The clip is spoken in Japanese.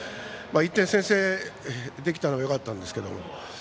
１点先制できたのはよかったんですけれども。